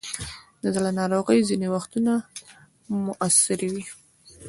د زړه ناروغۍ ځینې وختونه موروثي وي.